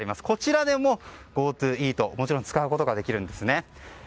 こちらでもＧｏＴｏイートをもちろん使うことができます。